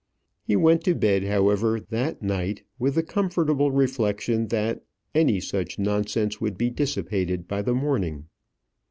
He went to bed, however, that night with the comfortable reflection that any such nonsense would be dissipated by the morning.